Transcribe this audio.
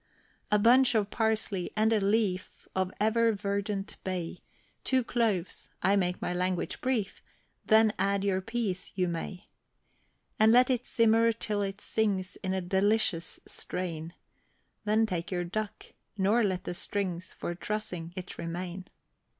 A bunch of parsley, and a leaf Of ever verdant bay, Two cloves, I make my language brief, Then add your peas you may; And let it simmer till it sings In a delicious strain; Then take your duck, nor let the strings For trussing it remain.